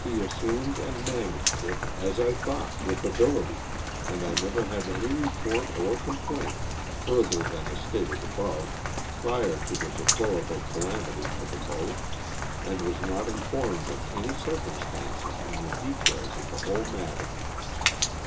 assumed and managed it a3 I thought with ability and I never had any report or complaint, further than is stated above, prior to the deplorable calamity to the boat, aad was not informed of any other circumstances in the details of the whole matter.